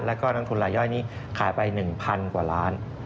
แล้วก็นักทุนลายย่อยนี้ขายไป๑๐๐กว่าล้าน